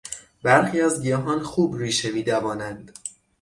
برخی از گیاهان خوب ریشه میدوانند.